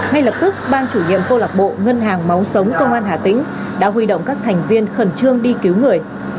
ngay lập tức ban chủ nhiệm câu lạc bộ ngân hàng máu sống công an hà tĩnh đã huy động các thành viên khẩn trương đi cứu người